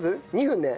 ２分。